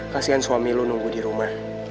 kasihan suami lu nunggu di rumah